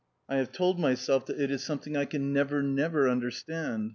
I have told myself that it is something I can never, never understand.